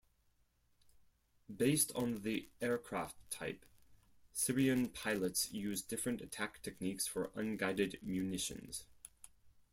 Based on the aircraft type, Syrian pilots use different attack techniques for unguided munitions.